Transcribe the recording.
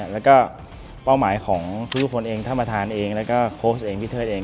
แล้วก็เป้าหมายของทุกคนเองท่านประธานเองแล้วก็โค้ชเองพี่เทิดเอง